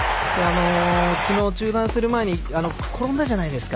昨日、中断する前に転んだじゃないですか。